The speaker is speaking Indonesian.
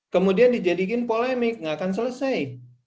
kemudian dijadikan polemik nggak akan selesai